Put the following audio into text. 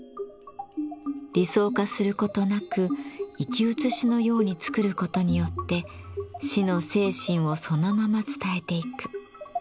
理想化することなく生き写しのようにつくることによって師の精神をそのまま伝えていく。